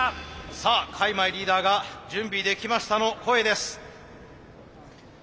さあ開米リーダーが「準備できました」の声です。